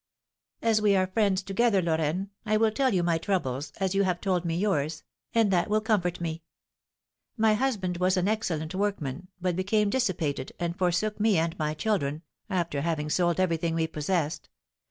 "As we are friends together, Lorraine, I will tell you my troubles, as you have told me yours, and that will comfort me. My husband was an excellent workman, but became dissipated, and forsook me and my children, after having sold everything we possessed.